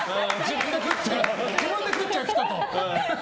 自分で食っちゃう人と。